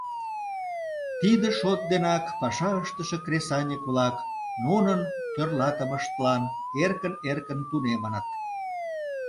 Тиде шот денак паша ыштыше кресаньык-влак нунын тӧрлатымыштлан эркын-эркын тунемыныт.